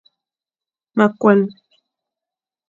Ma koan.